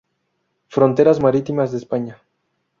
Fronteras marítimas de España.